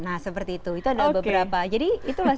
nah seperti itu itu ada beberapa jadi itulah